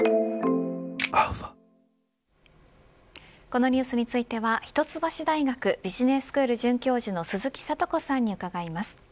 このニュースについては一橋大学ビジネススクール准教授の鈴木智子さんに伺います。